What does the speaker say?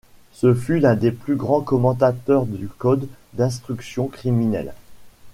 Ce fut l'un des plus grands commentateurs du Code d'instruction criminelle.